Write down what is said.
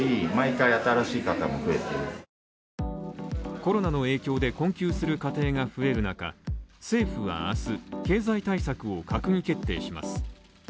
コロナの影響で困窮する家庭が増える中、政府は明日経済対策を閣議決定します。